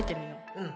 うん。